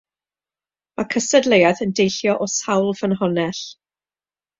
Mae cystadleuaeth yn deillio o sawl ffynhonnell.